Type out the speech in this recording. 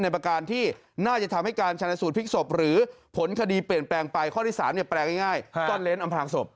ประการที่น่าจะทำให้การชนสูตรพลิกศพหรือผลคดีเปลี่ยนแปลงไปข้อที่๓แปลงง่ายซ่อนเล้นอำพลางศพ